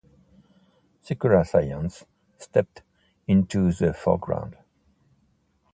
Secular science stepped into the foreground.